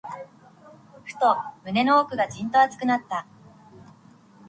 ふと、胸の奥がじんと熱くなった。